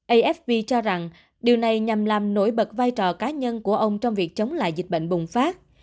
afp cho rằng điều này nhằm làm nổi bật vai trò cá nhân của ông trong việc chống lại dịch bệnh bùng phát